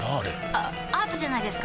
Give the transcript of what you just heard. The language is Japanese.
あアートじゃないですか？